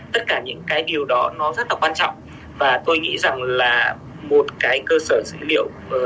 tất cả những cái điều đó nó rất là quan trọng và tôi nghĩ rằng là một cái cơ sở dữ liệu